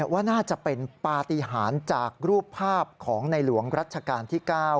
ว่าน่าจะเป็นปฏิหารจากรูปภาพของในหลวงรัชกาลที่๙